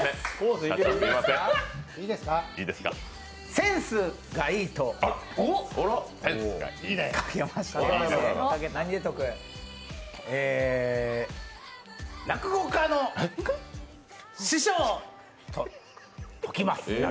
センスがいいとかけまして落語家の師匠と解きます。